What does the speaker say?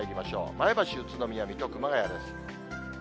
前橋、宇都宮、水戸、熊谷です。